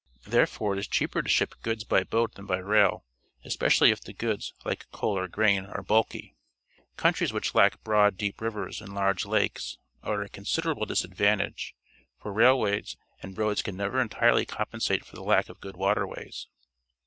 Therefore it is cheaper to ship goods by boat than by rail, especially if the goods, like coal or grain, are bulky. Countries which lack broad, deep rivers and large lakes are at a considerable disadvantage, for railways and roads can never entirely compensate for the lack of good watei^ways.